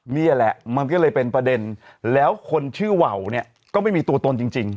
นี่แหละมันก็เลยเป็นประเด็นแล้วคนชื่อว่าวเนี่ยก็ไม่มีตัวตนจริง